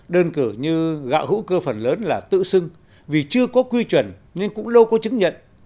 đơn cử như gạo hữu cơ phần lớn là tự sưng vì chưa có quy chuẩn nên cũng lâu có chứng nhận